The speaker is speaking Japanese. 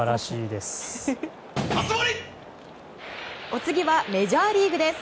お次はメジャーリーグです。